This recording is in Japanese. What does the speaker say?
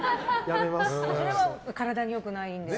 それは体に良くないんで。